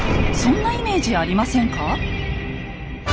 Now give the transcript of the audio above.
そんなイメージありませんか？